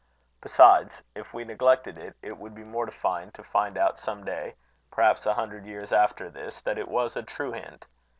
Besides, if we neglected it, it would be mortifying to find out some day, perhaps a hundred years after this, that it was a true hint.